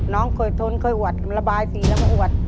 น้องเคยทนเคยอวดระบายสีแล้วก็อวด